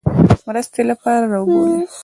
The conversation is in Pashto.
مرستې لپاره را وبولي.